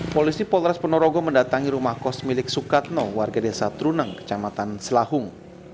polisi polres ponorogo mendatangi rumah kos milik sukatno warga desa truneng kecamatan selahung